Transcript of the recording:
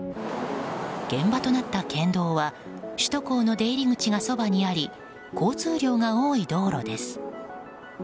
現場となった県道は首都高の出口がそばにあり交通量が多い道路です。